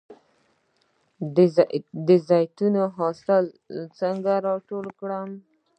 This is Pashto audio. د زیتون حاصل څنګه ټول کړم؟